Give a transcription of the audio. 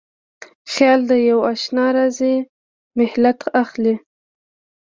خیال د یواشنا راځی مهلت اخلي